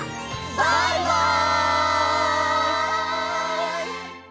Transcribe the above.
バイバイ！